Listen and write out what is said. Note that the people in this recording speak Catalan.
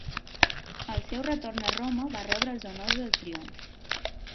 Al seu retorn a Roma va rebre els honors del triomf.